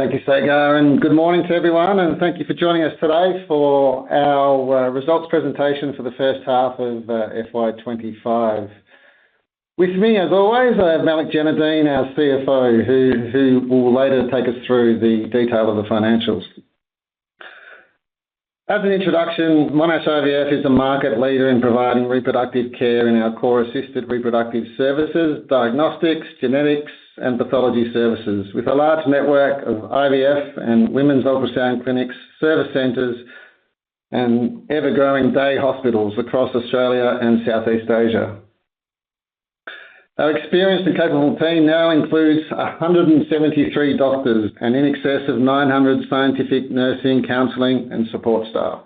Thank you, Sagar. Good morning to everyone, and thank you for joining us today for our results presentation for the first half of FY 2025. With me, as always, I have Malik Jainudeen, our CFO, who will later take us through the detail of the financials. As an introduction, Monash IVF is a market leader in providing reproductive care in our core assisted reproductive services, diagnostics, genetics, and pathology services, with a large network of IVF and women's ultrasound clinics, service centers, and ever-growing day hospitals across Australia and Southeast Asia. Our experienced and capable team now includes 173 doctors and in excess of 900 scientific, nursing, counseling, and support staff.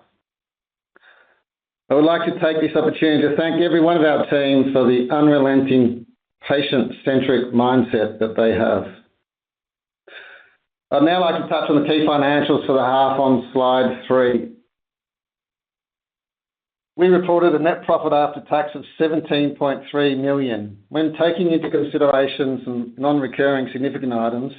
I would like to take this opportunity to thank every one of our teams for the unrelenting patient-centric mindset that they have. I would now like to touch on the key financials for the half on slide three. We reported a net profit after tax of 17.3 million. When taking into consideration some non-recurring significant items,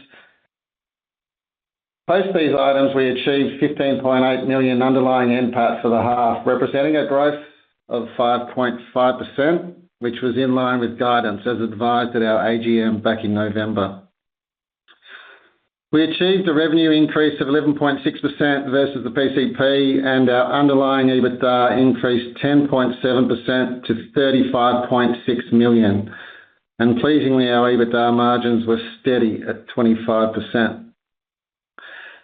post these items, we achieved 15.8 million underlying NPAT for the half, representing a growth of 5.5%, which was in line with guidance as advised at our AGM back in November. We achieved a revenue increase of 11.6% versus the PCP, and our underlying EBITDA increased 10.7% to 35.6 million. Pleasingly, our EBITDA margins were steady at 25%.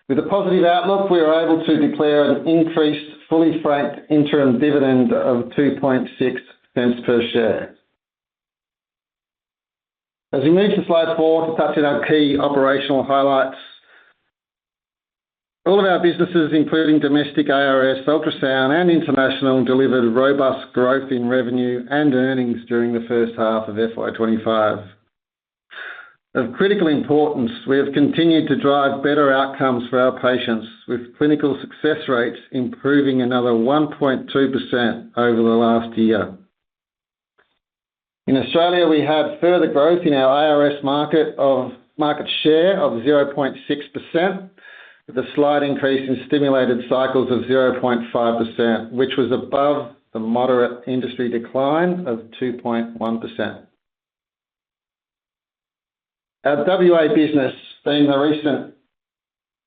With a positive outlook, we were able to declare an increased fully franked interim dividend of 0.026 per share. As we move to slide four, to touch on our key operational highlights, all of our businesses, including domestic ARS ultrasound and international, delivered robust growth in revenue and earnings during the first half of FY 2025. Of critical importance, we have continued to drive better outcomes for our patients, with clinical success rates improving another 1.2% over the last year. In Australia, we had further growth in our ARS market share of 0.6%, with a slight increase in stimulated cycles of 0.5%, which was above the moderate industry decline of 2.1%. Our Western Australia business, being the recent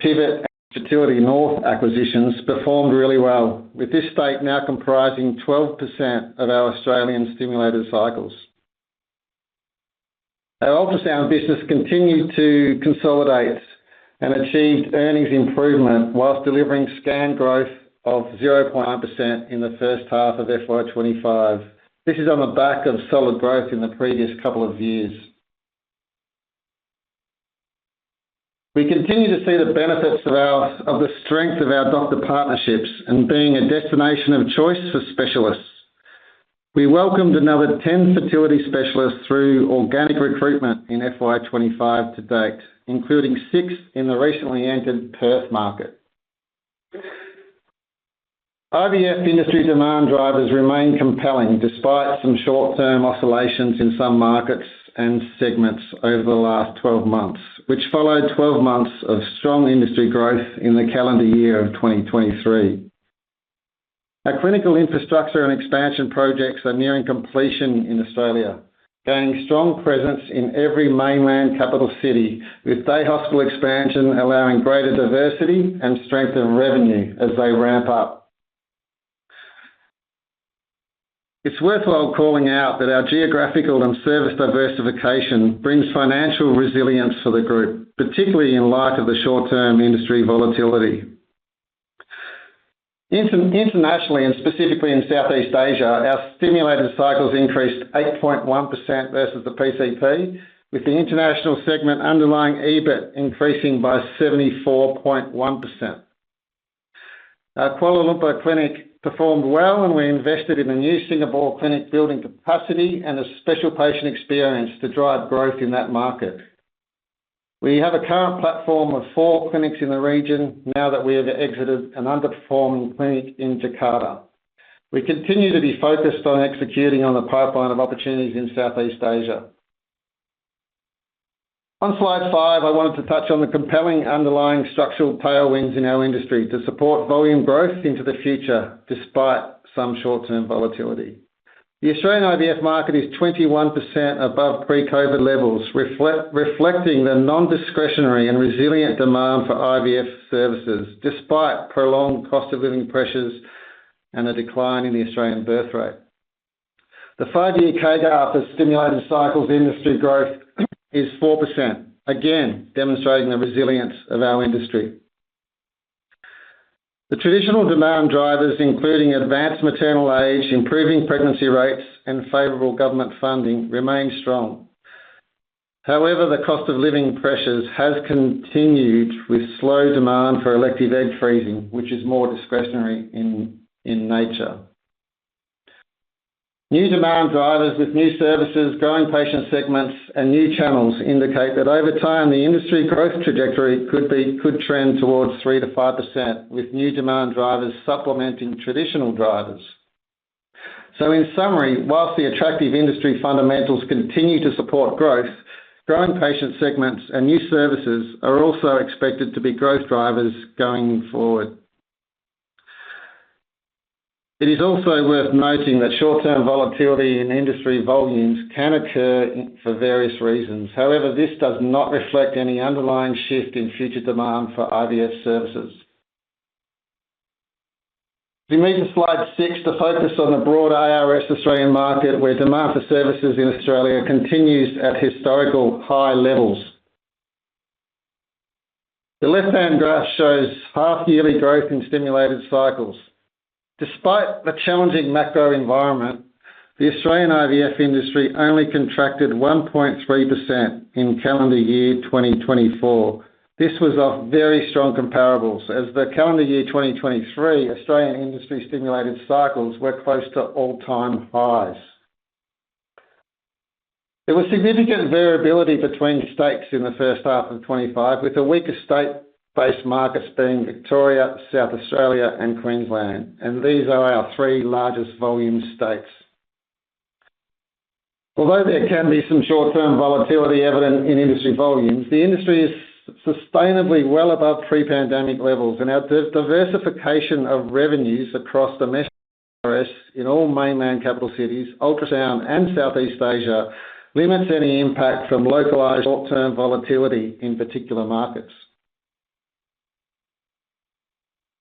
Pivot Fertility and Fertility North acquisitions, performed really well, with this state now comprising 12% of our Australian stimulated cycles. Our ultrasound business continued to consolidate and achieved earnings improvement whilst delivering scanned growth of 0.1% in the first half of FY 2025. This is on the back of solid growth in the previous couple of years. We continue to see the benefits of the strength of our doctor partnerships and being a destination of choice for specialists. We welcomed another 10 fertility specialists through organic recruitment in FY 2025 to date, including six in the recently entered Perth market. IVF industry demand drivers remain compelling despite some short-term oscillations in some markets and segments over the last 12 months, which followed 12 months of strong industry growth in the calendar year of 2023. Our clinical infrastructure and expansion projects are nearing completion in Australia, gaining strong presence in every mainland capital city, with day hospital expansion allowing greater diversity and strength of revenue as they ramp up. It is worthwhile calling out that our geographical and service diversification brings financial resilience for the group, particularly in light of the short-term industry volatility. Internationally, and specifically in Southeast Asia, our stimulated cycles increased 8.1% versus the PCP, with the international segment underlying EBIT increasing by 74.1%. Our Kuala Lumpur clinic performed well, and we invested in a new Singapore clinic building capacity and a special patient experience to drive growth in that market. We have a current platform of four clinics in the region now that we have exited an underperforming clinic in Jakarta. We continue to be focused on executing on the pipeline of opportunities in Southeast Asia. On slide five, I wanted to touch on the compelling underlying structural tailwinds in our industry to support volume growth into the future despite some short-term volatility. The Australian IVF market is 21% above pre-COVID levels, reflecting the non-discretionary and resilient demand for IVF services despite prolonged cost of living pressures and a decline in the Australian birth rate. The five-year CAGR for stimulated cycles industry growth is 4%, again demonstrating the resilience of our industry. The traditional demand drivers, including advanced maternal age, improving pregnancy rates, and favorable government funding, remain strong. However, the cost of living pressures has continued with slow demand for elective egg freezing, which is more discretionary in nature. New demand drivers with new services, growing patient segments, and new channels indicate that over time, the industry growth trajectory could trend towards 3-5%, with new demand drivers supplementing traditional drivers. In summary, whilst the attractive industry fundamentals continue to support growth, growing patient segments and new services are also expected to be growth drivers going forward. It is also worth noting that short-term volatility in industry volumes can occur for various reasons. However, this does not reflect any underlying shift in future demand for IVF services. We move to slide six to focus on the broader ARS Australian market, where demand for services in Australia continues at historical high levels. The left-hand graph shows half-yearly growth in stimulated cycles. Despite the challenging macro environment, the Australian IVF industry only contracted 1.3% in calendar year 2024. This was off very strong comparables, as the calendar year 2023 Australian industry stimulated cycles were close to all-time highs. There was significant variability between states in the first half of 2025, with the weakest state-based markets being Victoria, South Australia, and Queensland, and these are our three largest volume states. Although there can be some short-term volatility evident in industry volumes, the industry is sustainably well above pre-pandemic levels, and our diversification of revenues across the Monash ARS in all mainland capital cities, ultrasound, and Southeast Asia limits any impact from localized short-term volatility in particular markets.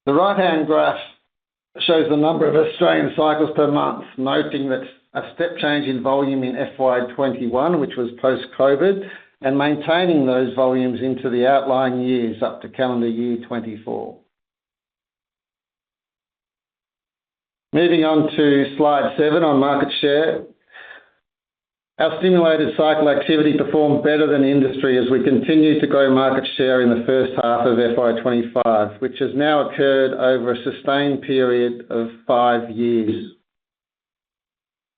The right-hand graph shows the number of Australian cycles per month, noting that a step change in volume in FY 2021, which was post-COVID, and maintaining those volumes into the outlying years up to calendar year 2024. Moving on to slide seven on market share, our stimulated cycle activity performed better than industry as we continued to grow market share in the first half of FY 2025, which has now occurred over a sustained period of five years.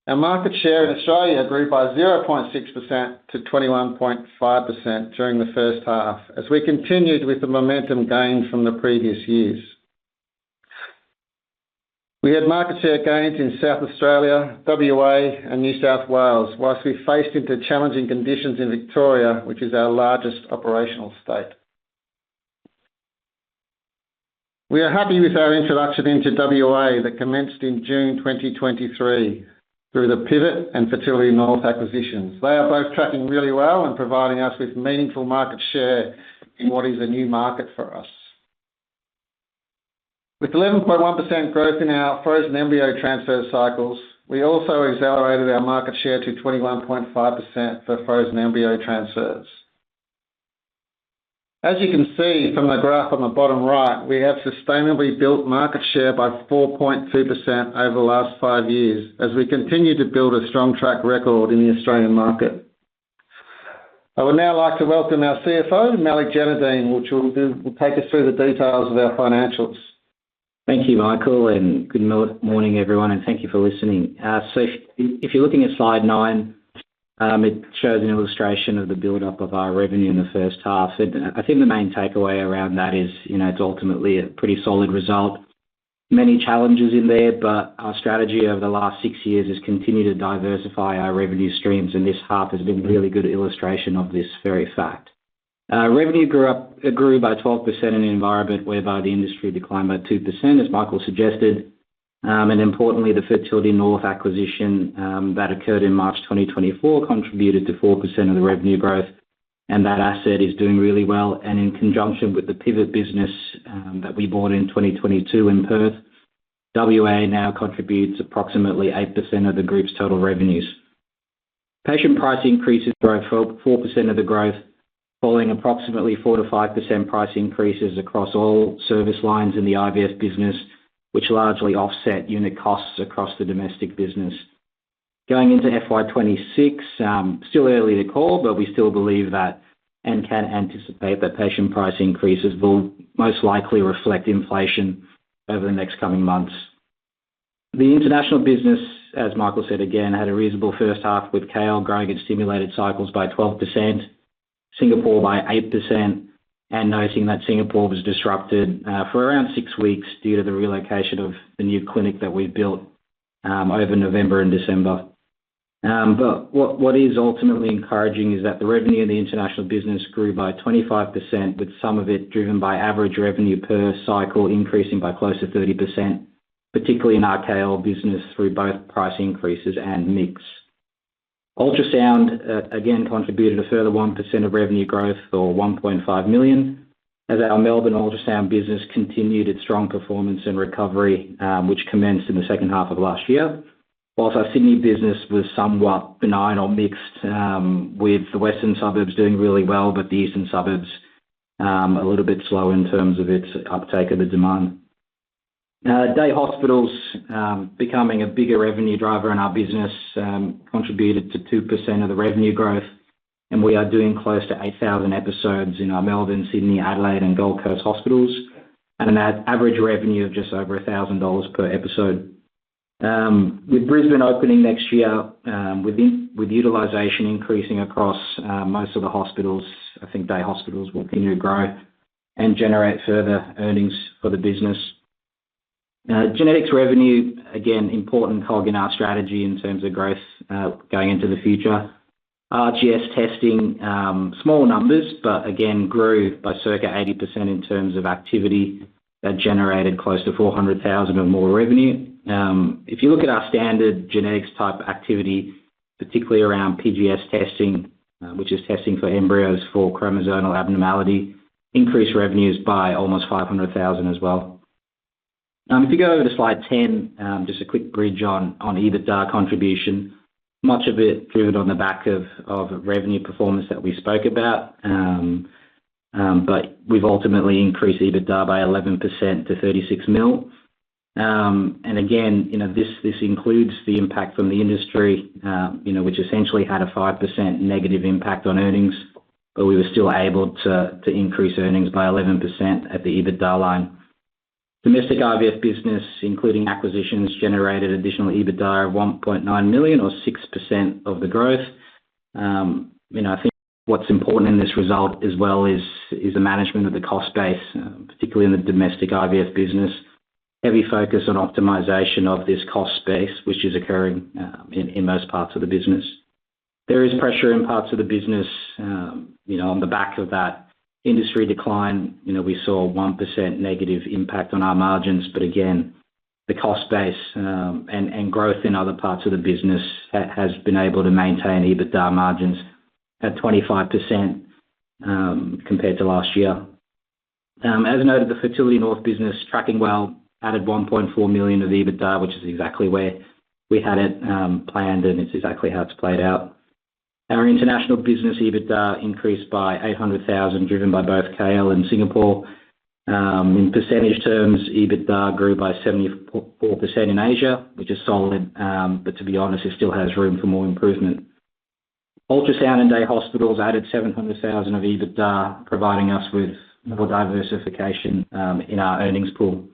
Our market share in Australia grew by 0.6% to 21.5% during the first half, as we continued with the momentum gained from the previous years. We had market share gains in South Australia, Western Australia, and New South Wales whilst we faced into challenging conditions in Victoria, which is our largest operational state. We are happy with our introduction into Western Australia that commenced in June 2023 through the Pivot Fertility and Fertility North acquisitions. They are both tracking really well and providing us with meaningful market share in what is a new market for us. With 11.1% growth in our frozen embryo transfer cycles, we also accelerated our market share to 21.5% for frozen embryo transfers. As you can see from the graph on the bottom right, we have sustainably built market share by 4.2% over the last five years as we continue to build a strong track record in the Australian market. I would now like to welcome our CFO, Malik Jainudeen, who will take us through the details of our financials. Thank you, Michael, and good morning, everyone, and thank you for listening. If you're looking at slide nine, it shows an illustration of the build-up of our revenue in the first half. I think the main takeaway around that is it's ultimately a pretty solid result. Many challenges in there, but our strategy over the last six years has continued to diversify our revenue streams, and this half has been a really good illustration of this very fact. Revenue grew by 12% in an environment whereby the industry declined by 2%, as Michael suggested. Importantly, the Fertility North acquisition that occurred in March 2024 contributed to 4% of the revenue growth, and that asset is doing really well. In conjunction with the Pivot business that we bought in 2022 in Perth, Western Australia now contributes approximately 8% of the group's total revenues. Patient price increases growth for 4% of the growth, following approximately 4-5% price increases across all service lines in the IVF business, which largely offset unit costs across the domestic business. Going into FY 2026, still early to call, but we still believe that and can anticipate that patient price increases will most likely reflect inflation over the next coming months. The international business, as Michael said again, had a reasonable first half with KL growing in stimulated cycles by 12%, Singapore by 8%, and noting that Singapore was disrupted for around six weeks due to the relocation of the new clinic that we've built over November and December. What is ultimately encouraging is that the revenue in the international business grew by 25%, with some of it driven by average revenue per cycle increasing by close to 30%, particularly in our KL business through both price increases and mix. Ultrasound, again, contributed a further 1% of revenue growth for 1.5 million as our Melbourne ultrasound business continued its strong performance and recovery, which commenced in the second half of last year. Whilst our Sydney business was somewhat benign or mixed, with the western suburbs doing really well, but the eastern suburbs a little bit slow in terms of its uptake of the demand. Day hospitals becoming a bigger revenue driver in our business contributed to 2% of the revenue growth, and we are doing close to 8,000 episodes in our Melbourne, Sydney, Adelaide, and Gold Coast hospitals, and an average revenue of just over 1,000 dollars per episode. With Brisbane opening next year, with utilization increasing across most of the hospitals, I think day hospitals will continue to grow and generate further earnings for the business. Genetics revenue, again, important cog in our strategy in terms of growth going into the future. RGS testing, small numbers, but again, grew by circa 80% in terms of activity that generated close to 400,000 or more revenue. If you look at our standard genetics type activity, particularly around PGS testing, which is testing for embryos for chromosomal abnormality, increased revenues by almost 500,000 as well. If you go over to slide 10, just a quick bridge on EBITDA contribution, much of it driven on the back of revenue performance that we spoke about, but we've ultimately increased EBITDA by 11% to AUD 36 million. This includes the impact from the industry, which essentially had a 5% negative impact on earnings, but we were still able to increase earnings by 11% at the EBITDA line. Domestic IVF business, including acquisitions, generated additional EBITDA of 1.9 million, or 6% of the growth. I think what is important in this result as well is the management of the cost base, particularly in the domestic IVF business, heavy focus on optimization of this cost base, which is occurring in most parts of the business. There is pressure in parts of the business. On the back of that industry decline, we saw a 1% negative impact on our margins, but again, the cost base and growth in other parts of the business has been able to maintain EBITDA margins at 25% compared to last year. As noted, the Fertility North business tracking well, added 1.4 million of EBITDA, which is exactly where we had it planned, and it's exactly how it's played out. Our international business EBITDA increased by 800,000, driven by both KL and Singapore. In percentage terms, EBITDA grew by 74% in Asia, which is solid, but to be honest, it still has room for more improvement. Ultrasound and day hospitals added 700,000 of EBITDA, providing us with more diversification in our earnings pool.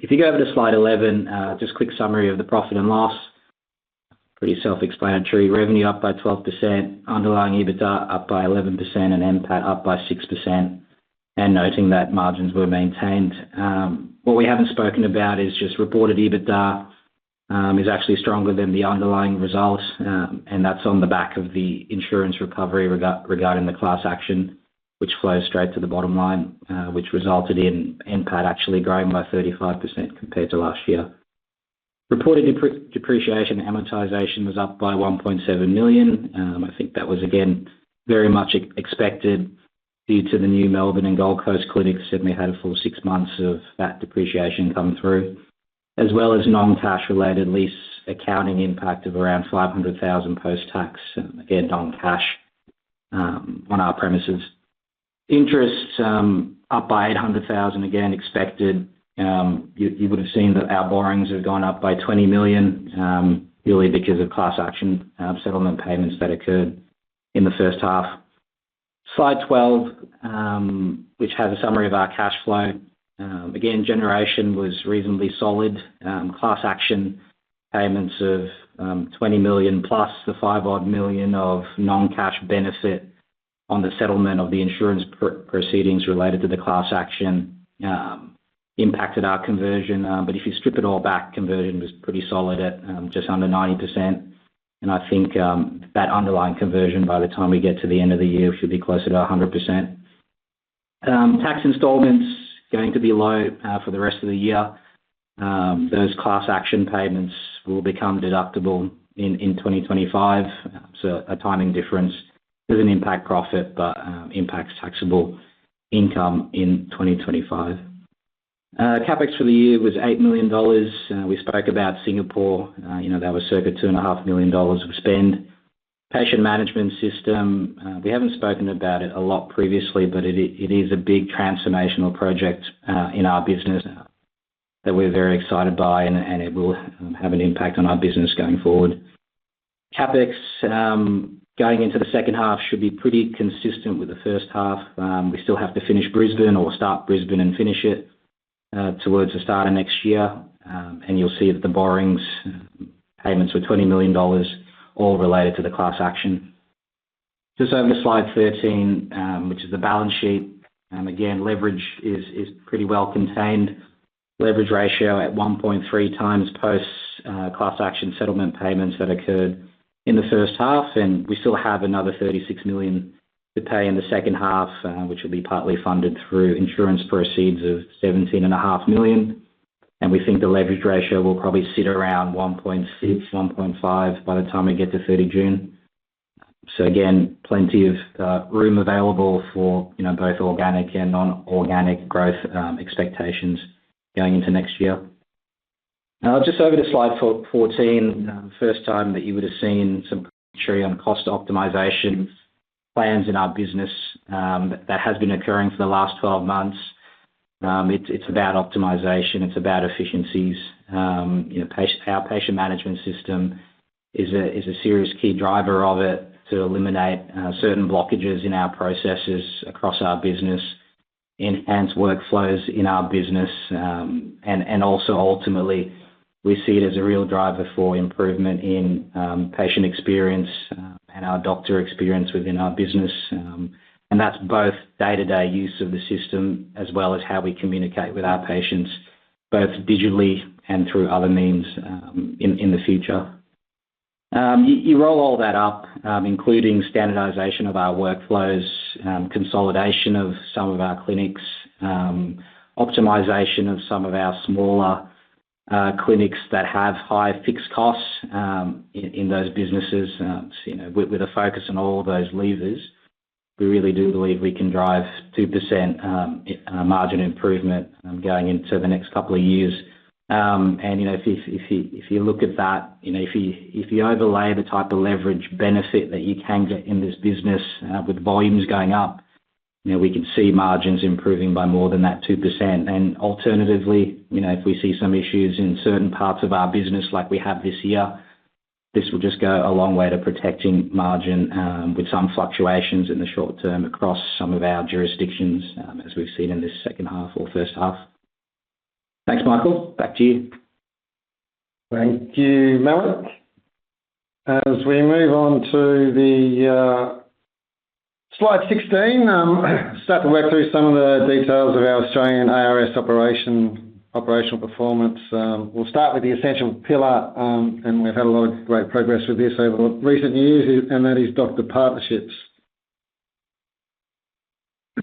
If you go over to slide 11, just a quick summary of the profit and loss. Pretty self-explanatory. Revenue up by 12%, underlying EBITDA up by 11%, and MPAT up by 6%, and noting that margins were maintained. What we haven't spoken about is just reported EBITDA is actually stronger than the underlying result, and that's on the back of the insurance recovery regarding the class action, which flows straight to the bottom line, which resulted in NPAT actually growing by 35% compared to last year. Reported depreciation amortization was up by 1.7 million. I think that was, again, very much expected due to the new Melbourne and Gold Coast clinics, and we had a full six months of that depreciation come through, as well as non-cash related lease accounting impact of around 500,000 post-tax, again, non-cash on our premises. Interest up by 800,000, again, expected. You would have seen that our borrowings have gone up by 20 million, purely because of class action settlement payments that occurred in the first half. Slide 12, which has a summary of our cash flow. Again, generation was reasonably solid. Class action payments of 20 million plus the five-odd million of non-cash benefit on the settlement of the insurance proceedings related to the class action impacted our conversion. If you strip it all back, conversion was pretty solid at just under 90%, and I think that underlying conversion by the time we get to the end of the year should be closer to 100%. Tax installments going to be low for the rest of the year. Those class action payments will become deductible in 2025. A timing difference does not impact profit, but impacts taxable income in 2025. CapEx for the year was 8 million dollars. We spoke about Singapore. That was circa 2.5 million dollars of spend. Patient management system, we haven't spoken about it a lot previously, but it is a big transformational project in our business that we're very excited by, and it will have an impact on our business going forward. CapEx going into the second half should be pretty consistent with the first half. We still have to finish Brisbane or start Brisbane and finish it towards the start of next year, and you'll see that the borrowings payments were 20 million dollars, all related to the class action. Just over to slide 13, which is the balance sheet. Again, leverage is pretty well contained. Leverage ratio at 1.3 times post-class action settlement payments that occurred in the first half, and we still have another 36 million to pay in the second half, which will be partly funded through insurance proceeds of 17.5 million. We think the leverage ratio will probably sit around 1.6, 1.5 by the time we get to 30th June. Again, plenty of room available for both organic and non-organic growth expectations going into next year. Just over to slide 14, the first time that you would have seen some trajectory on cost optimisation plans in our business that has been occurring for the last 12 months. It is about optimisation. It is about efficiencies. Our patient management system is a serious key driver of it to eliminate certain blockages in our processes across our business, enhance workflows in our business, and also ultimately, we see it as a real driver for improvement in patient experience and our doctor experience within our business. That is both day-to-day use of the system as well as how we communicate with our patients, both digitally and through other means in the future. You roll all that up, including standardisation of our workflows, consolidation of some of our clinics, optimisation of some of our smaller clinics that have high fixed costs in those businesses. With a focus on all those levers, we really do believe we can drive 2% margin improvement going into the next couple of years. If you look at that, if you overlay the type of leverage benefit that you can get in this business with volumes going up, we can see margins improving by more than that 2%. Alternatively, if we see some issues in certain parts of our business like we have this year, this will just go a long way to protecting margin with some fluctuations in the short term across some of our jurisdictions as we've seen in this second half or first half. Thanks, Michael. Back to you. Thank you, Malik. As we move on to slide 16, start to work through some of the details of our Australian ARS operational performance. We'll start with the essential pillar, and we've had a lot of great progress with this over recent years, and that is doctor partnerships.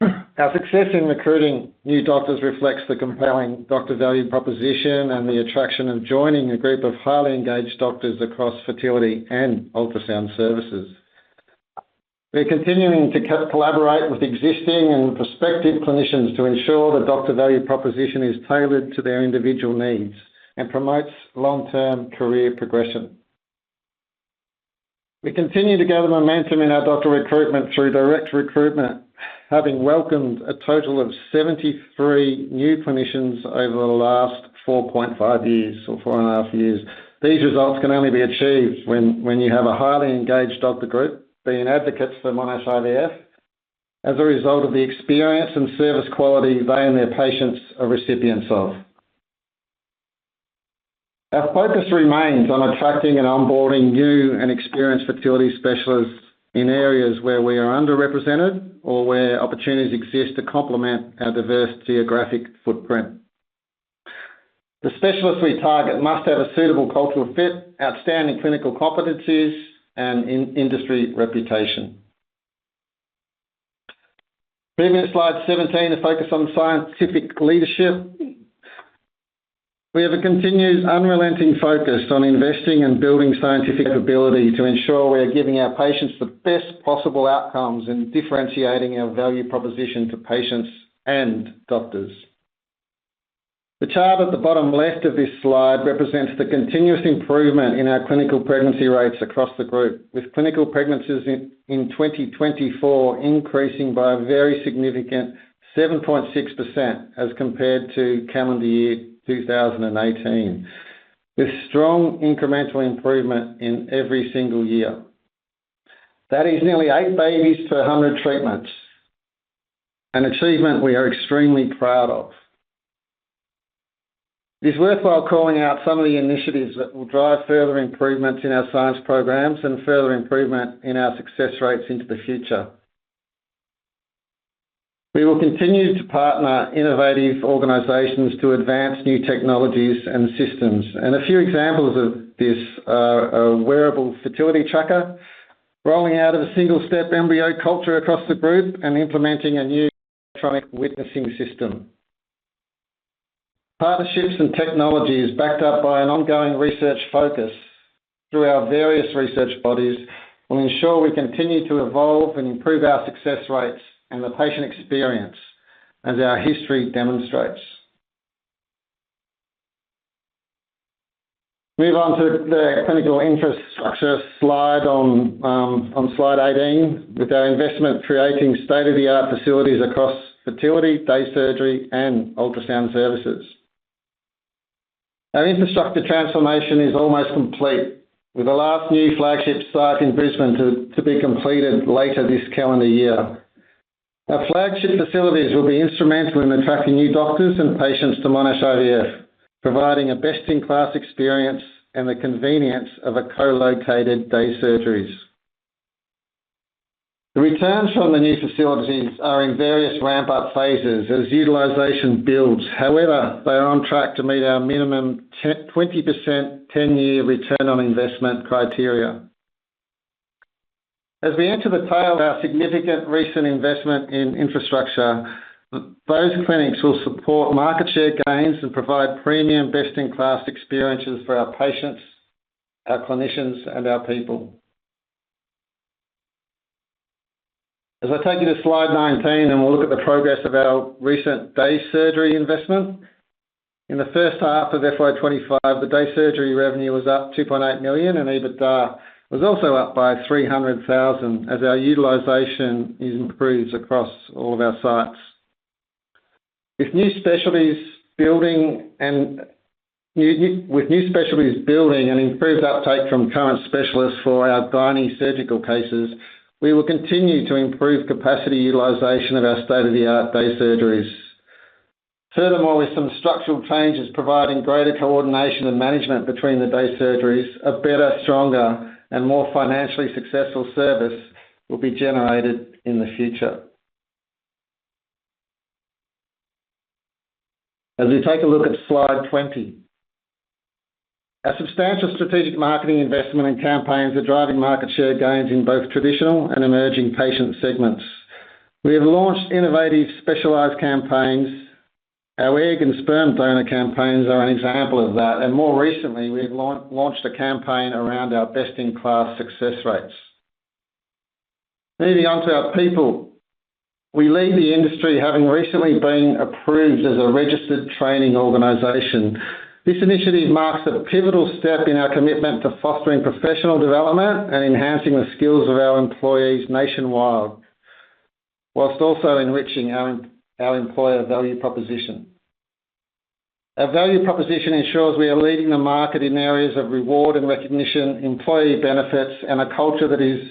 Our success in recruiting new doctors reflects the compelling doctor value proposition and the attraction of joining a group of highly engaged doctors across fertility and ultrasound services. We're continuing to collaborate with existing and prospective clinicians to ensure the doctor value proposition is tailored to their individual needs and promotes long-term career progression. We continue to gather momentum in our doctor recruitment through direct recruitment, having welcomed a total of 73 new clinicians over the last 4.5 years or 4.5 years. These results can only be achieved when you have a highly engaged doctor group being advocates for Monash IVF as a result of the experience and service quality they and their patients are recipients of. Our focus remains on attracting and onboarding new and experienced fertility specialists in areas where we are underrepresented or where opportunities exist to complement our diverse geographic footprint. The specialists we target must have a suitable cultural fit, outstanding clinical competencies, and industry reputation. Moving to slide 17, a focus on scientific leadership. We have a continued unrelenting focus on investing and building scientific capability to ensure we are giving our patients the best possible outcomes and differentiating our value proposition to patients and doctors. The chart at the bottom left of this slide represents the continuous improvement in our clinical pregnancy rates across the group, with clinical pregnancies in 2024 increasing by a very significant 7.6% as compared to calendar year 2018, with strong incremental improvement in every single year. That is nearly eight babies per 100 treatments, an achievement we are extremely proud of. It is worthwhile calling out some of the initiatives that will drive further improvements in our science programs and further improvement in our success rates into the future. We will continue to partner innovative organizations to advance new technologies and systems. A few examples of this are a wearable fertility tracker, rolling out of a single-step embryo culture across the group and implementing a new electronic witnessing system. Partnerships and technologies backed up by an ongoing research focus through our various research bodies will ensure we continue to evolve and improve our success rates and the patient experience, as our history demonstrates. Move on to the clinical infrastructure slide on slide 18, with our investment creating state-of-the-art facilities across fertility, day surgery, and ultrasound services. Our infrastructure transformation is almost complete, with the last new flagship site in Brisbane to be completed later this calendar year. Our flagship facilities will be instrumental in attracting new doctors and patients to Monash IVF, providing a best-in-class experience and the convenience of co-located day surgeries. The returns from the new facilities are in various ramp-up phases as utilization builds. However, they are on track to meet our minimum 20% 10-year return on investment criteria. As we enter the tail of our significant recent investment in infrastructure, those clinics will support market share gains and provide premium best-in-class experiences for our patients, our clinicians, and our people. As I take you to slide 19, and we'll look at the progress of our recent day surgery investment. In the first half of FY 2025, the day surgery revenue was up 2.8 million, and EBITDA was also up by 300,000 as our utilization improves across all of our sites. With new specialties building and improved uptake from current specialists for our gynae surgical cases, we will continue to improve capacity utilization of our state-of-the-art day surgeries. Furthermore, with some structural changes providing greater coordination and management between the day surgeries, a better, stronger, and more financially successful service will be generated in the future. As we take a look at slide 20, our substantial strategic marketing investment and campaigns are driving market share gains in both traditional and emerging patient segments. We have launched innovative specialized campaigns. Our egg and sperm donor campaigns are an example of that. More recently, we have launched a campaign around our best-in-class success rates. Moving on to our people, we lead the industry, having recently been approved as a registered training organization. This initiative marks a pivotal step in our commitment to fostering professional development and enhancing the skills of our employees nationwide, whilst also enriching our employer value proposition. Our value proposition ensures we are leading the market in areas of reward and recognition, employee benefits, and a culture that is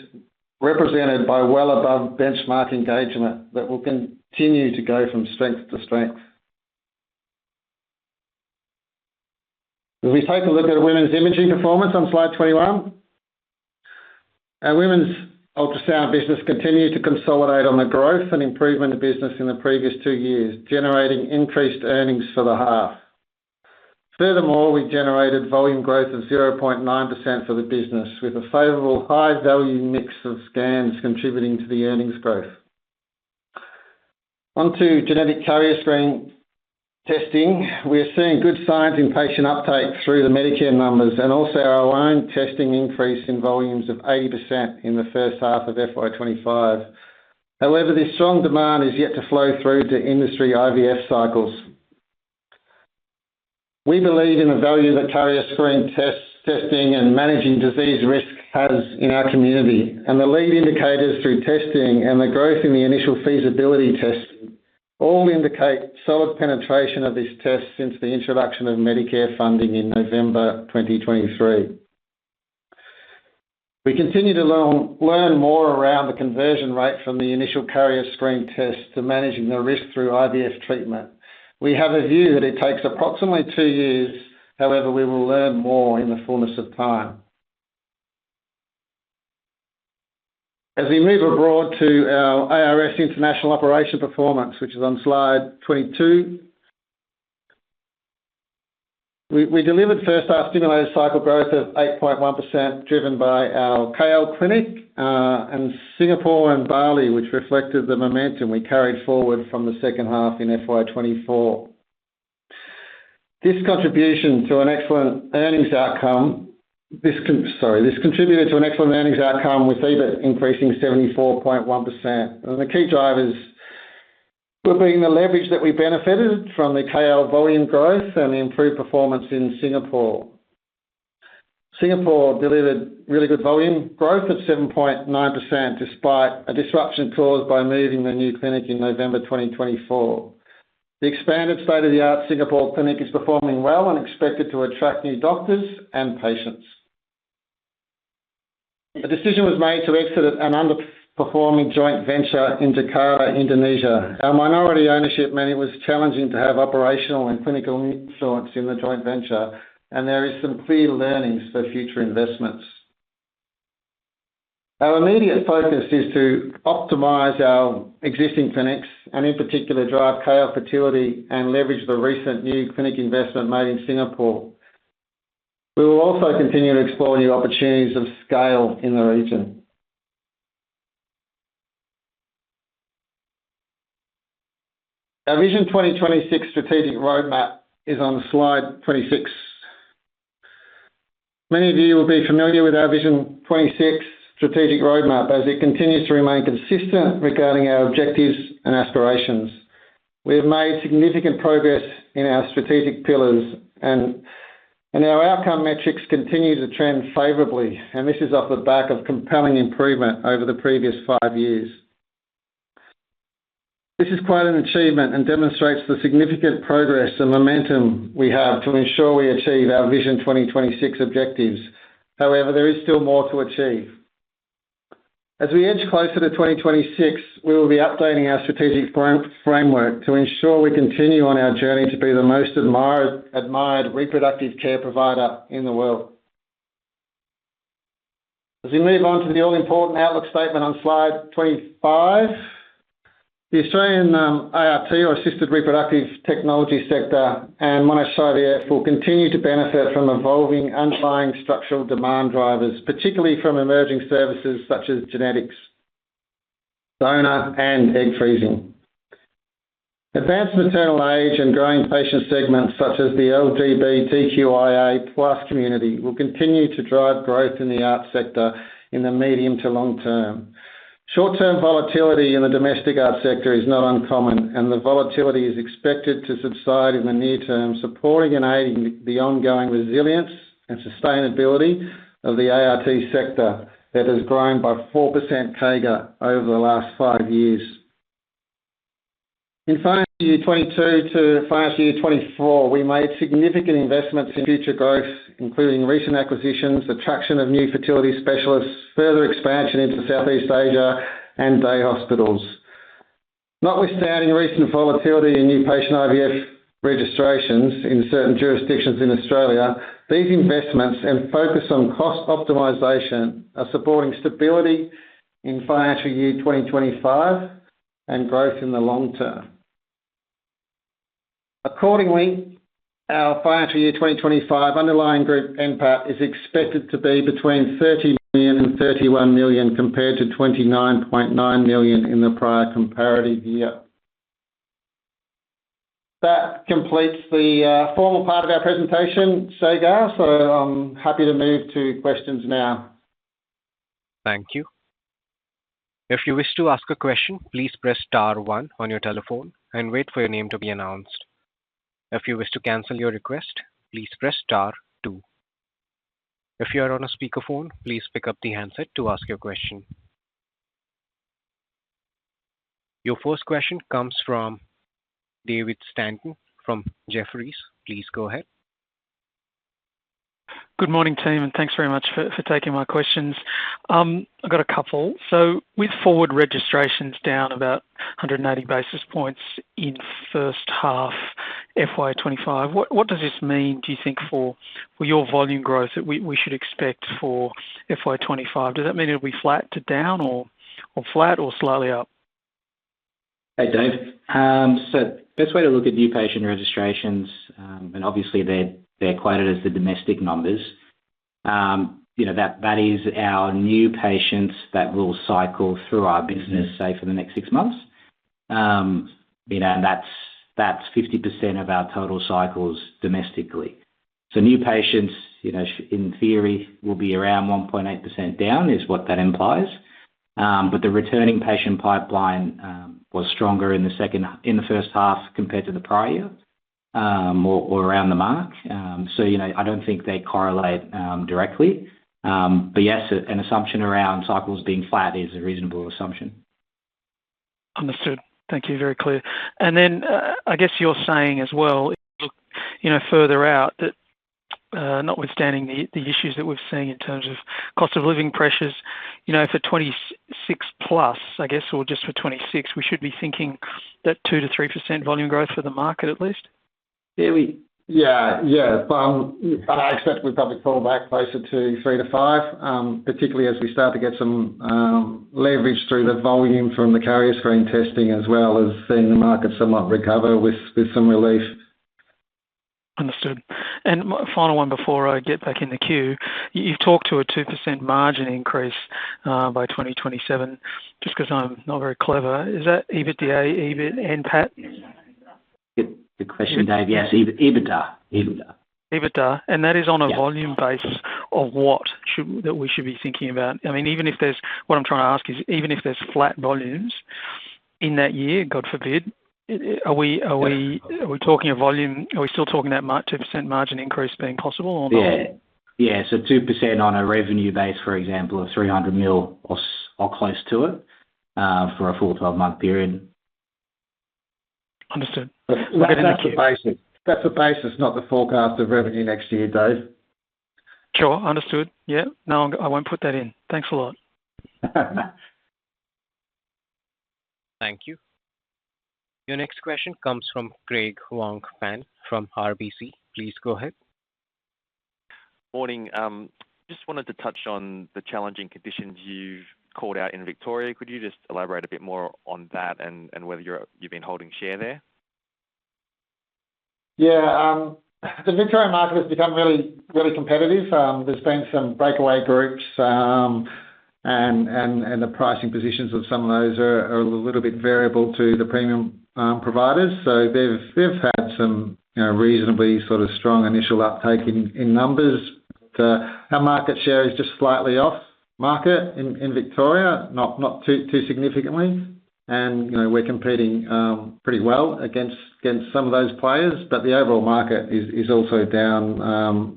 represented by well above benchmark engagement that will continue to go from strength to strength. If we take a look at women's imaging performance on slide 21, our women's ultrasound business continued to consolidate on the growth and improvement of business in the previous two years, generating increased earnings for the half. Furthermore, we generated volume growth of 0.9% for the business, with a favorable high-value mix of scans contributing to the earnings growth. Onto genetic carrier screen testing, we are seeing good signs in patient uptake through the Medicare numbers and also our own testing increase in volumes of 80% in the first half of FY 2025. However, this strong demand is yet to flow through to industry IVF cycles. We believe in the value that carrier screen testing and managing disease risk has in our community, and the lead indicators through testing and the growth in the initial feasibility tests all indicate solid penetration of this test since the introduction of Medicare funding in November 2023. We continue to learn more around the conversion rate from the initial carrier screen test to managing the risk through IVF treatment. We have a view that it takes approximately two years; however, we will learn more in the fullness of time. As we move abroad to our ARS international operation performance, which is on slide 22, we delivered first-half stimulated cycle growth of 8.1% driven by our KL Clinic and Singapore and Bali, which reflected the momentum we carried forward from the second half in FY 2024. This contributed to an excellent earnings outcome with EBIT increasing 74.1%. The key drivers were the leverage that we benefited from the KL volume growth and the improved performance in Singapore. Singapore delivered really good volume growth at 7.9% despite a disruption caused by moving the new clinic in November 2024. The expanded state-of-the-art Singapore clinic is performing well and expected to attract new doctors and patients. A decision was made to exit an underperforming joint venture in Jakarta, Indonesia. Our minority ownership meant it was challenging to have operational and clinical influence in the joint venture, and there are some key learnings for future investments. Our immediate focus is to optimise our existing clinics and, in particular, drive KL fertility and leverage the recent new clinic investment made in Singapore. We will also continue to explore new opportunities of scale in the region. Our Vision 2026 strategic roadmap is on slide 26. Many of you will be familiar with our Vision 2026 strategic roadmap as it continues to remain consistent regarding our objectives and aspirations. We have made significant progress in our strategic pillars, and our outcome metrics continue to trend favorably, and this is off the back of compelling improvement over the previous five years. This is quite an achievement and demonstrates the significant progress and momentum we have to ensure we achieve our Vision 2026 objectives. However, there is still more to achieve. As we edge closer to 2026, we will be updating our strategic framework to ensure we continue on our journey to be the most admired reproductive care provider in the world. As we move on to the all-important outlook statement on slide 25, the Australian ART or assisted reproductive technology sector and Monash IVF will continue to benefit from evolving underlying structural demand drivers, particularly from emerging services such as genetics, donor, and egg freezing. Advanced maternal age and growing patient segments such as the LGBTQIA+ community will continue to drive growth in the ART sector in the medium to long term. Short-term volatility in the domestic ART sector is not uncommon, and the volatility is expected to subside in the near term, supporting and aiding the ongoing resilience and sustainability of the ART sector that has grown by 4% CAGR over the last five years. In phase 22 to phase 24, we made significant investments in future growth, including recent acquisitions, attraction of new fertility specialists, further expansion into Southeast Asia, and day hospitals. Notwithstanding recent volatility in new patient IVF registrations in certain jurisdictions in Australia, these investments and focus on cost optimisation are supporting stability in financial year 2025 and growth in the long term. Accordingly, our financial year 2025 underlying group NPAP is expected to be between 30 million and 31 million compared to 29.9 million in the prior comparative year. That completes the formal part of our presentation, Sagar, so I'm happy to move to questions now. Thank you. If you wish to ask a question, please press star one on your telephone and wait for your name to be announced. If you wish to cancel your request, please press star two. If you are on a speakerphone, please pick up the handset to ask your question. Your first question comes from David Stanton from Jefferies. Please go ahead. Good morning, team, and thanks very much for taking my questions. I've got a couple. With forward registrations down about 180 basis points in first half FY 2025, what does this mean, do you think, for your volume growth that we should expect for FY 2025? Does that mean it'll be flat to down or flat or slightly up? Hey, Dave. The best way to look at new patient registrations, and obviously they're quoted as the domestic numbers, that is our new patients that will cycle through our business, say, for the next six months. That's 50% of our total cycles domestically. New patients, in theory, will be around 1.8% down is what that implies. The returning patient pipeline was stronger in the first half compared to the prior year or around the mark. I don't think they correlate directly. Yes, an assumption around cycles being flat is a reasonable assumption. Understood. Thank you. Very clear. I guess you're saying as well, if you look further out, that notwithstanding the issues that we've seen in terms of cost of living pressures, for 2026 plus, I guess, or just for 2026, we should be thinking that 2-3% volume growth for the market at least? Yeah. Yeah. I expect we'll probably fall back closer to 3-5%, particularly as we start to get some leverage through the volume from the carrier screen testing as well as seeing the market somewhat recover with some relief. Understood. Final one before I get back in the queue. You've talked to a 2% margin increase by 2027, just because I'm not very clever. Is that EBITDA, EBIT, NPAP? Good question, Dave. Yes, EBITDA. EBITDA. EBITDA. That is on a volume base of what we should be thinking about? I mean, even if there's—what I'm trying to ask is, even if there's flat volumes in that year, God forbid, are we talking a volume—are we still talking that 2% margin increase being possible or not? Yeah. Yeah. So 2% on a revenue base, for example, of 300 million or close to it for a full 12-month period. Understood. That's the basis. That's the basis, not the forecast of revenue next year, Dave. Sure, Understood. Yeah. No, I won't put that in. Thanks a lot. Thank you. Your next question comes from Craig Wong from RBC. Please go ahead. Morning. Just wanted to touch on the challenging conditions you've called out in Victoria. Could you just elaborate a bit more on that and whether you've been holding share there? Yeah. The Victorian market has become really competitive. There's been some breakaway groups, and the pricing positions of some of those are a little bit variable to the premium providers. They've had some reasonably sort of strong initial uptake in numbers. Our market share is just slightly off market in Victoria, not too significantly. We're competing pretty well against some of those players. The overall market is also down,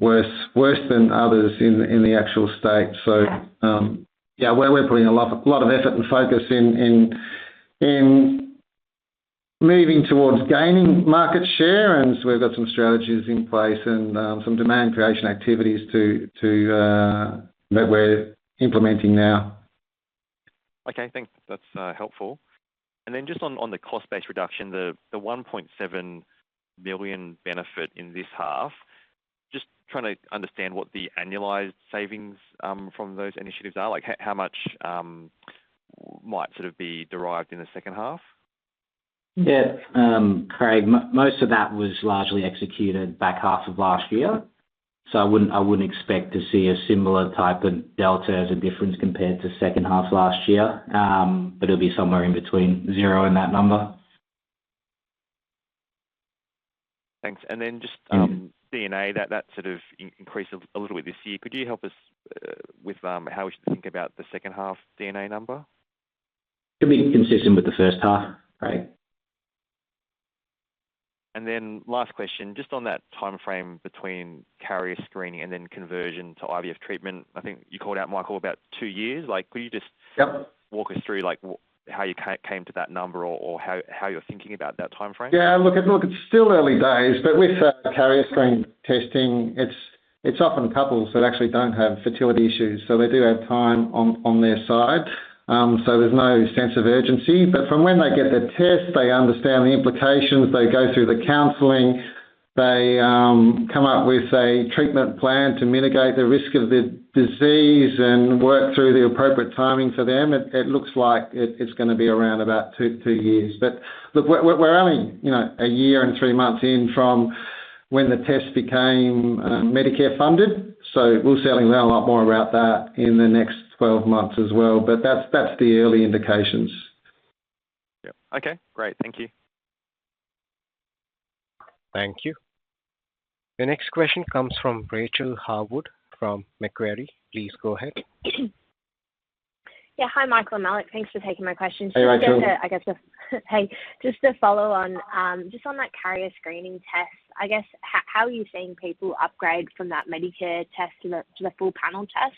worse than others in the actual state. Yeah, we're putting a lot of effort and focus in moving towards gaining market share. We've got some strategies in place and some demand creation activities that we're implementing now. Okay. Thanks. That's helpful. Then just on the cost-based reduction, the 1.7 million benefit in this half, just trying to understand what the annualized savings from those initiatives are, how much might sort of be derived in the second half. Yeah. Craig, most of that was largely executed back half of last year. I would not expect to see a similar type of delta as a difference compared to second half last year, but it will be somewhere in between zero and that number. Thanks. Then just D&A, that sort of increased a little bit this year. Could you help us with how we should think about the second half D&A number? It should be consistent with the first half, Craig. Last question, just on that timeframe between carrier screening and then conversion to IVF treatment, I think you called out, Michael, about two years. Could you just walk us through how you came to that number or how you are thinking about that timeframe? Yeah. Look, it is still early days, but with carrier screen testing, it is often couples that actually do not have fertility issues. They do have time on their side. There is no sense of urgency. From when they get the test, they understand the implications. They go through the counselling. They come up with a treatment plan to mitigate the risk of the disease and work through the appropriate timing for them. It looks like it is going to be around about two years. We are only a year and three months in from when the test became Medicare funded. We will certainly learn a lot more about that in the next 12 months as well. That is the early indications. Yep. Okay. Great. Thank you. Thank you. Your next question comes from Rachael Harwood from Macquarie. Please go ahead. Yeah. Hi, Michael and Malik. Thanks for taking my question. Hey, Rachel. I guess just to follow on, just on that carrier screening test, I guess, how are you seeing people upgrade from that Medicare test to the full panel test?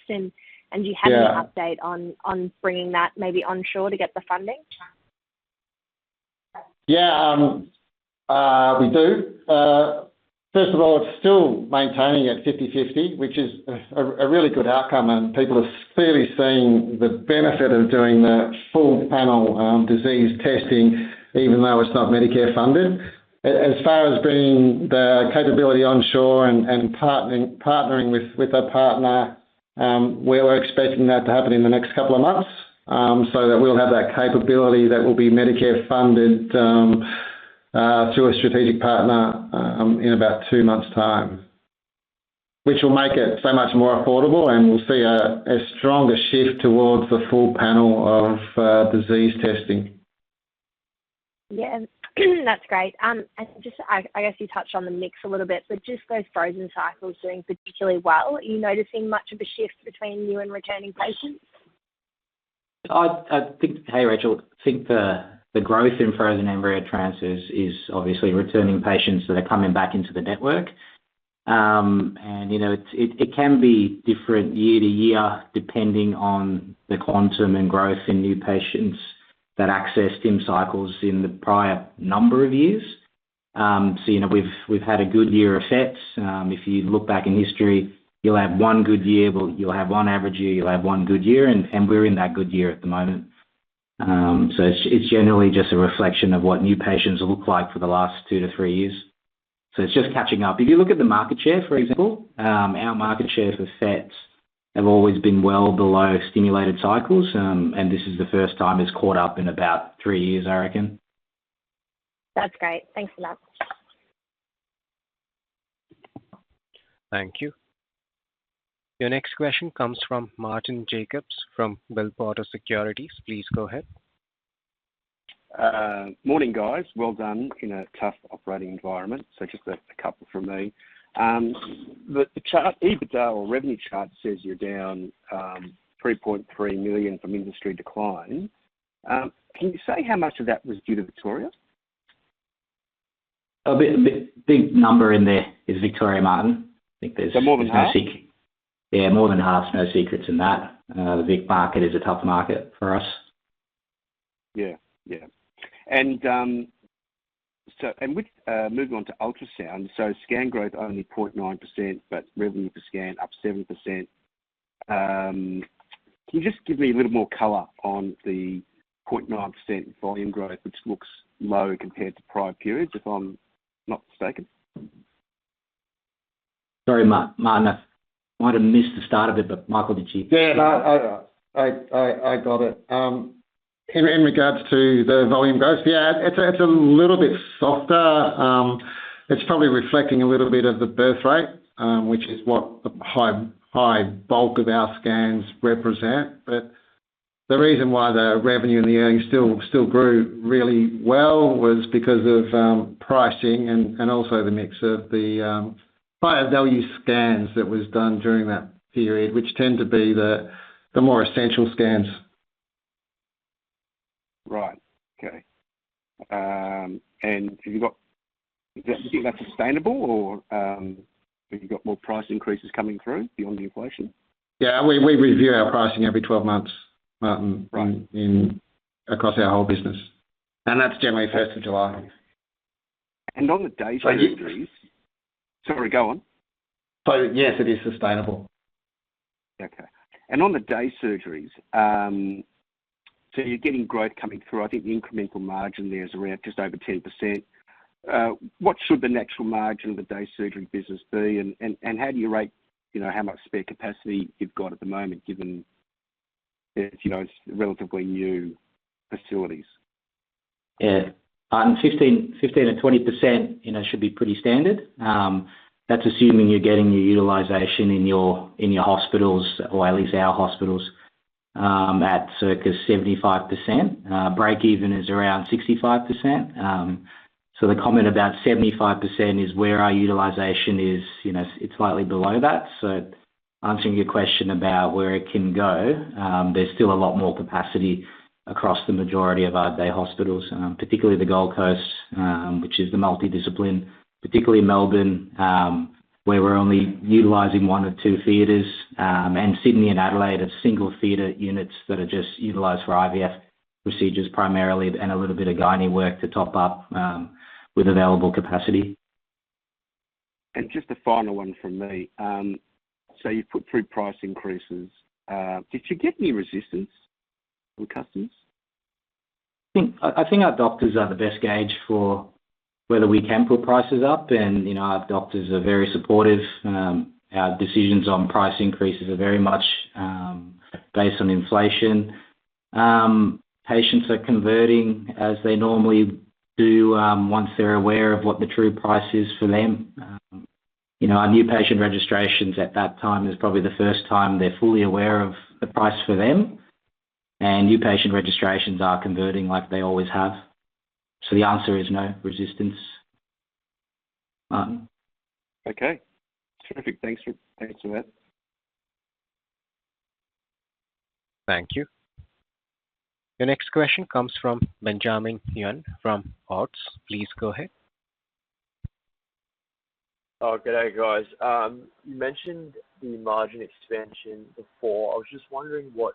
Do you have any update on bringing that maybe onshore to get the funding? Yeah. We do. First of all, it's still maintaining at 50/50, which is a really good outcome. People have clearly seen the benefit of doing the full panel disease testing, even though it's not Medicare funded. As far as bringing the capability onshore and partnering with a partner, we're expecting that to happen in the next couple of months so that we'll have that capability that will be Medicare funded through a strategic partner in about two months' time, which will make it so much more affordable. We'll see a stronger shift towards the full panel of disease testing. Yeah. That's great. You touched on the mix a little bit, but just those frozen cycles doing particularly well. Are you noticing much of a shift between new and returning patients? Hey, Rachel, I think the growth in frozen embryo transfers is obviously returning patients that are coming back into the network. It can be different year to year depending on the quantum and growth in new patients that accessed in cycles in the prior number of years. We have had a good year of sets. If you look back in history, you'll have one good year, you'll have one average year, you'll have one good year. We are in that good year at the moment. It is generally just a reflection of what new patients look like for the last two to three years. It is just catching up. If you look at the market share, for example, our market share for FETs have always been well below stimulated cycles. This is the first time it's caught up in about three years, I reckon. That's great. Thanks for that. Thank you. Your next question comes from Martyn Jacobs from Bell Potter Securities. Please go ahead. Morning, guys. Well done in a tough operating environment. Just a couple from me. The chart, EBITDA or revenue chart says you're down 3.3 million from industry decline. Can you say how much of that was due to Victoria? A big number in there is Victoria, Martin. I think there's no secret. Yeah. More than half. No secrets in that. The big market is a tough market for us. Yeah. Moving on to ultrasound. Scan growth only 0.9%, but revenue for scan up 7%. Can you just give me a little more color on the 0.9% volume growth, which looks low compared to prior periods, if I'm not mistaken? Sorry, Martin. I might have missed the start of it, but Michael, did you? Yeah. I got it. In regards to the volume growth, yeah, it's a little bit softer. It's probably reflecting a little bit of the birth rate, which is what the high bulk of our scans represent. The reason why the revenue and the earnings still grew really well was because of pricing and also the mix of the higher value scans that were done during that period, which tend to be the more essential scans. Right. Okay. Do you think that's sustainable, or have you got more price increases coming through beyond the inflation? Yeah. We review our pricing every 12 months, Martin, across our whole business. That's generally 1st of July. On the day surgeries—sorry, go on. Yes, it is sustainable. Okay. On the day surgeries, you're getting growth coming through. I think the incremental margin there is just over 10%. What should the natural margin of the day surgery business be? How do you rate how much spare capacity you've got at the moment, given it's relatively new facilities? Yeah. 15%-20% should be pretty standard. That's assuming you're getting your utilisation in your hospitals, or at least our hospitals, at circa 75%. Break-even is around 65%. The comment about 75% is where our utilisation is, it's slightly below that. Answering your question about where it can go, there's still a lot more capacity across the majority of our day hospitals, particularly the Gold Coast, which is the multidiscipline, particularly Melbourne, where we're only utilizing one or two theatres. Sydney and Adelaide are single theatre units that are just utilized for IVF procedures primarily, and a little bit of gynae work to top up with available capacity. Just a final one from me. You've put through price increases. Did you get any resistance from customers? I think our doctors are the best gauge for whether we can pull prices up. Our doctors are very supportive. Our decisions on price increases are very much based on inflation. Patients are converting as they normally do once they're aware of what the true price is for them. Our new patient registrations at that time is probably the first time they're fully aware of the price for them. New patient registrations are converting like they always have. The answer is no resistance. Okay. Terrific. Thanks for that. Thank you. Your next question comes from Benjamin Yuen from ORBS. Please go ahead. Oh, good day, guys. You mentioned the margin expansion before. I was just wondering what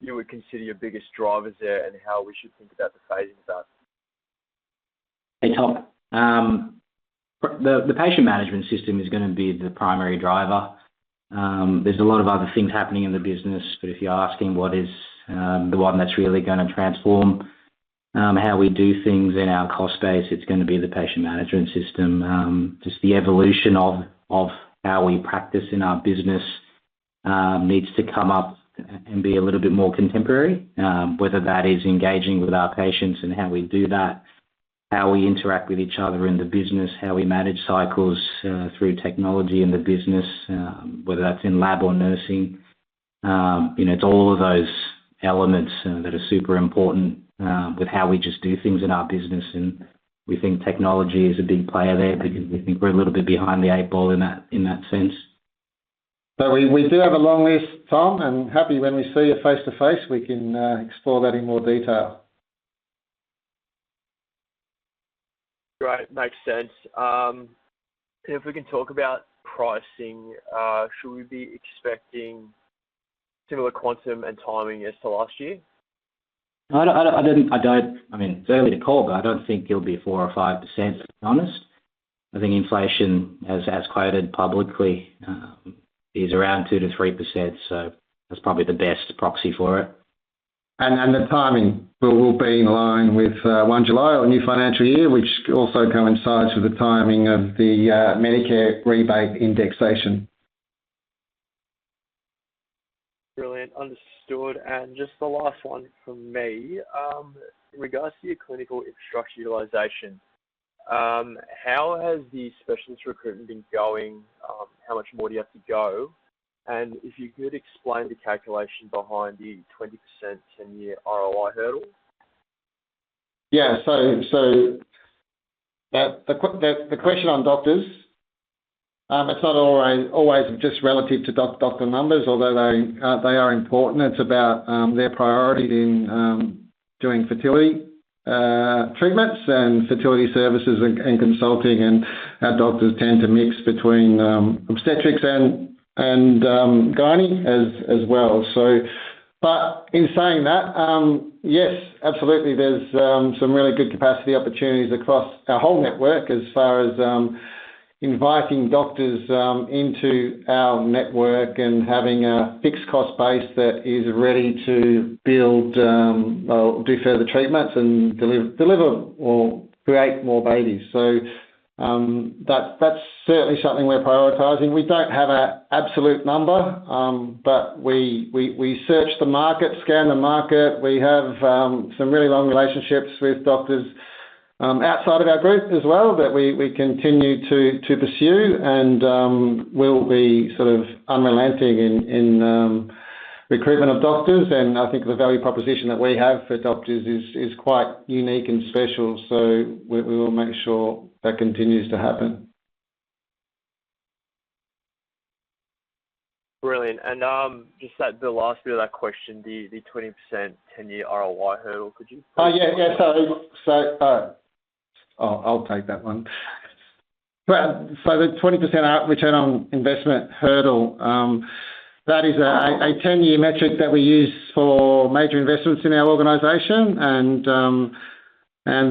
you would consider your biggest drivers there and how we should think about the phasing of that. Hey, Tom. The patient management system is going to be the primary driver. There is a lot of other things happening in the business. If you're asking what is the one that's really going to transform how we do things in our cost base, it's going to be the patient management system. Just the evolution of how we practice in our business needs to come up and be a little bit more contemporary, whether that is engaging with our patients and how we do that, how we interact with each other in the business, how we manage cycles through technology in the business, whether that's in lab or nursing. It's all of those elements that are super important with how we just do things in our business. We think technology is a big player there because we think we're a little bit behind the eight ball in that sense. We do have a long list, Tom. Happy when we see you face to face, we can explore that in more detail. Right. Makes sense. If we can talk about pricing, should we be expecting similar quantum and timing as to last year? I don't—I mean, fairly to call, but I don't think it'll be 4% or 5%, to be honest. I think inflation, as quoted publicly, is around 2% to 3%. That's probably the best proxy for it. The timing will be in line with 1st July or new financial year, which also coincides with the timing of the Medicare rebate indexation. Brilliant. Understood. Just the last one from me. In regards to your clinical infrastructure utilisation, how has the specialist recruitment been going? How much more do you have to go? If you could explain the calculation behind the 20% 10-year ROI hurdle? Yeah. The question on doctors, it's not always just relative to doctor numbers, although they are important. It's about their priority in doing fertility treatments and fertility services and consulting. Our doctors tend to mix between obstetrics and gynae as well. In saying that, yes, absolutely. There are some really good capacity opportunities across our whole network as far as inviting doctors into our network and having a fixed cost base that is ready to build or do further treatments and deliver or create more babies. That is certainly something we are prioritizing. We do not have an absolute number, but we search the market, scan the market. We have some really long relationships with doctors outside of our group as well that we continue to pursue. We will be sort of unrelenting in recruitment of doctors. I think the value proposition that we have for doctors is quite unique and special. We will make sure that continues to happen. Brilliant. Just the last bit of that question, the 20% 10-year ROI hurdle, could you? Yeah. Yeah. Sorry. I'll take that one. The 20% return on investment hurdle, that is a 10-year metric that we use for major investments in our organization.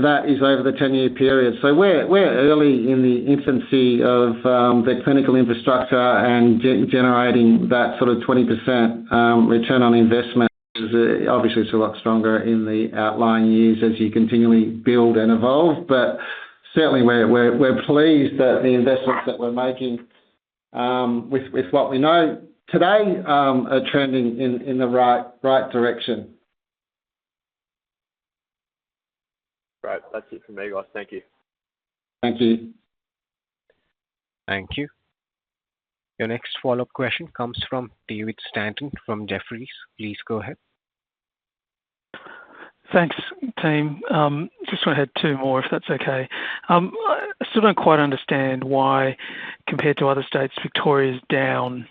That is over the 10-year period. We're early in the infancy of the clinical infrastructure and generating that sort of 20% return on investment. Obviously, it's a lot stronger in the outlying years as you continually build and evolve. Certainly, we're pleased that the investments that we're making with what we know today are trending in the right direction. Right. That's it from me, guys. Thank you. Thank you. Thank you. Your next follow-up question comes from David Stanton from Jefferies. Please go ahead. Thanks, team. Just want to add two more if that's okay. I still don't quite understand why, compared to other states, Victoria is down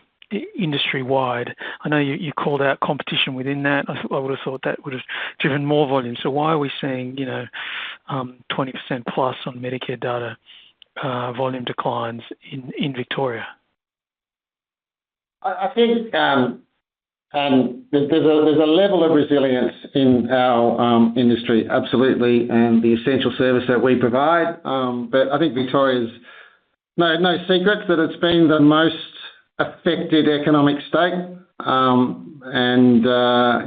industry-wide. I know you called out competition within that. I would have thought that would have driven more volume. Why are we seeing 20% plus on Medicare data volume declines in Victoria? I think there's a level of resilience in our industry, absolutely, and the essential service that we provide. I think Victoria is no secret that it's been the most affected economic state.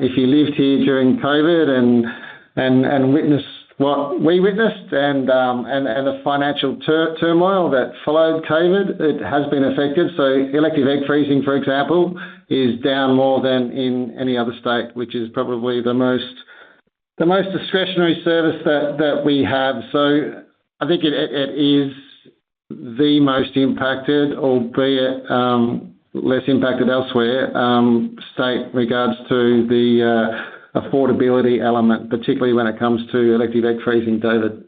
If you lived here during COVID and witnessed what we witnessed and the financial turmoil that followed COVID, it has been affected. Elective egg freezing, for example, is down more than in any other state, which is probably the most discretionary service that we have. I think it is the most impacted, albeit less impacted elsewhere, state in regards to the affordability element, particularly when it comes to elective egg freezing, David.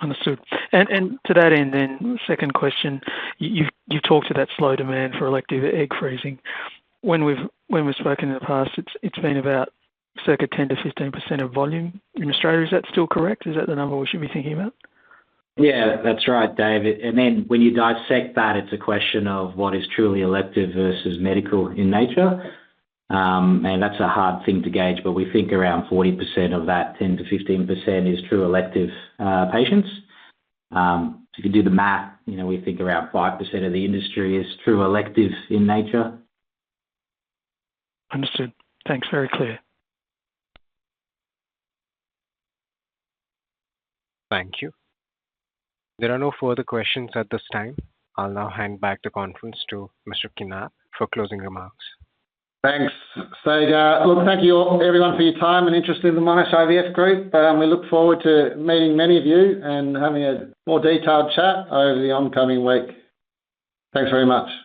Understood. To that end, then, second question, you've talked to that slow demand for elective egg freezing. When we've spoken in the past, it's been about circa 10-15% of volume in Australia. Is that still correct? Is that the number we should be thinking about? Yeah. That's right, David. When you dissect that, it's a question of what is truly elective versus medical in nature. That's a hard thing to gauge. We think around 40% of that 10-15% is true elective patients. If you do the math, we think around 5% of the industry is true elective in nature. Understood. Thanks. Very clear. Thank you. There are no further questions at this time. I'll now hand back the conference to Mr. Knaap for closing remarks. Thanks. Look, thank you everyone for your time and interest in the Monash IVF Group. We look forward to meeting many of you and having a more detailed chat over the oncoming week. Thanks very much.